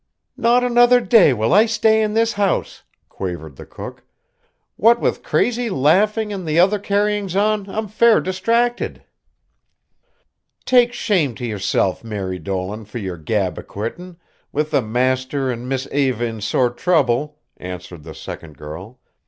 "Not another day will I stay in this house," quavered the cook. "What with crazy laughing and the other carryings on, I'm fair distracted." "Take shame to yerself, Mary Dolan, for yer gab of quittin', with the master and Miss Eva in sore trouble," answered the second girl.